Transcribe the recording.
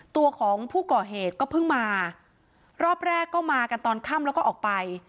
ตัวของผู้ก่อเหตุก็เพิ่งมารอบแรกก็มากันตอนค่ำแล้วก็ออกไป